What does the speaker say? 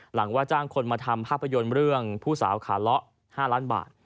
ว่าจ้างคนมาทำภาพยนตร์เรื่องผู้สาวขาเลาะ๕ล้านบาท